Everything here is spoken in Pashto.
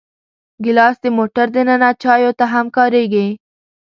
ګیلاس د موټر دننه چایو ته هم کارېږي.